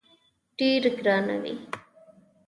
ډېره ګرانه وي.